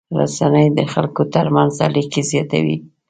رسنۍ د خلکو تر منځ اړیکې زیاتوي.